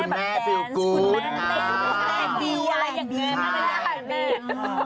คุณแม่โค้ดคุณแม่ทำแบบนี้